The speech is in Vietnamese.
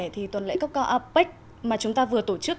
thì tuần lễ cấp cao apec mà chúng ta vừa tổ chức